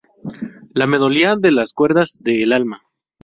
La melodía de las cuerdas de el alma.